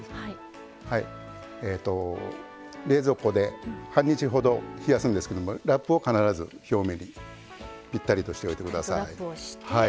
冷蔵庫で半日ほど冷やすんですけどもラップを必ず表面にピッタリとしておいて下さい。